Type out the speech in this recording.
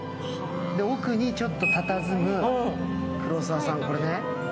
奥にちょっとたたずむ黒沢さん、これね。